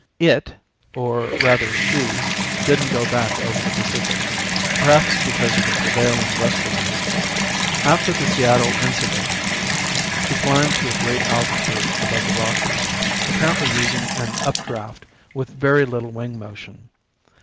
It, or rather she, didn't go back over the Pacific, perhaps because of the prevailing westerlies. After the Seattle incident she climbed to a great altitude above the Rockies, apparently using an updraft with very little wing motion.